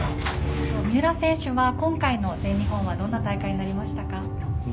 三浦選手は今回の全日本はどんな大会になりましたか？